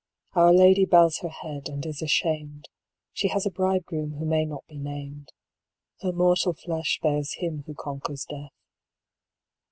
Our Lady bows her head, and is ashamed; She has a Bridegroom Who may not be named, Her mortal flesh bears Him Who conquers death.